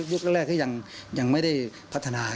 ยุคแรกนี่ยังไม่พัฒนา